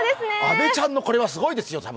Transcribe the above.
阿部ちゃんのこれはすごいですよ。